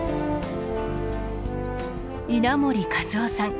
稲盛和夫さん。